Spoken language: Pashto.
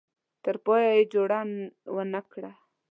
تر پایه یې جوړه ونه کړه.